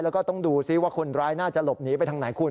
แล้วก็ต้องดูซิว่าคนร้ายน่าจะหลบหนีไปทางไหนคุณ